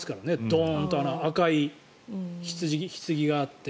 ドーンと、赤いひつぎがあって。